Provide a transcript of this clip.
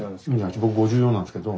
僕５４なんですけど。